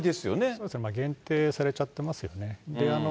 そうですね、限定されちゃってますよね。